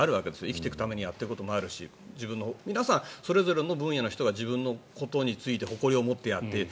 生きていくためにやっていることもあるし皆さんそれぞれの分野の人が自分のことについて誇りをもってやっている。